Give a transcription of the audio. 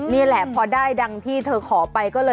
นี่แหละพอได้ดังที่เธอขอไปก็เลย